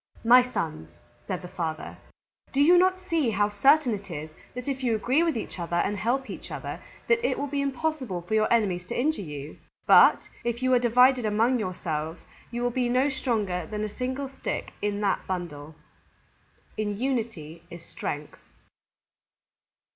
"My Sons," said the Father, "do you not see how certain it is that if you agree with each other and help each other, it will be impossible for your enemies to injure you? But if you are divided among yourselves, you will be no stronger than a single stick in that bundle." _In unity is strength.